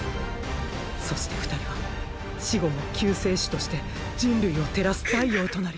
そして二人は死後も救世主として人類を照らす太陽となり。